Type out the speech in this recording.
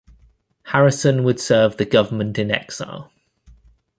Harrison would serve the government-in-exile.